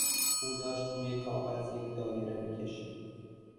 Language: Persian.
او داشت روی کاغذ یک دایره میکشید.